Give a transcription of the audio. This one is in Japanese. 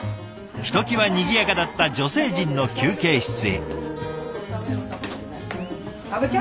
ひときわにぎやかだった女性陣の休憩室へ。